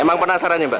emang penasaran ya mbak